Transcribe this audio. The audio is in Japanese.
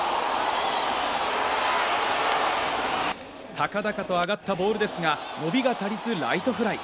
高々と上がったボールですが、伸びが足りず、ライトフライ。